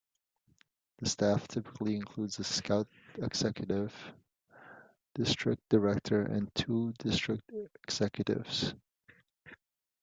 The Staff typically includes a Scout Executive, District Director and two District Executives.